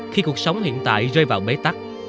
khi cuộc sống hiện tại rơi vào bế tắc